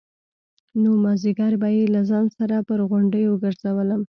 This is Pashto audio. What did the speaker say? نو مازديگر به يې له ځان سره پر غونډيو گرځولم.